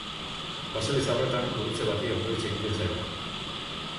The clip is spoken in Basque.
Baseliza horretan, gurutze bati otoitz egiten zaio.